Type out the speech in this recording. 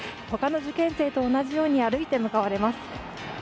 他の受験生と同じように歩いて向かわれます。